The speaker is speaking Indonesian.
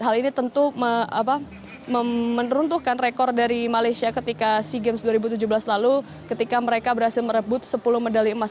hal ini tentu meneruntuhkan rekor dari malaysia ketika sea games dua ribu tujuh belas lalu ketika mereka berhasil merebut sepuluh medali emas